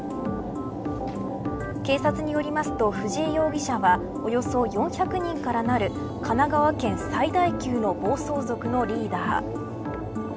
警察によりますと藤井容疑者はおよそ４００人からなる神奈川県最大級の暴走族のリーダー。